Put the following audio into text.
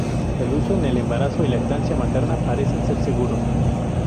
El uso en el embarazo y la lactancia materna parecen ser seguros.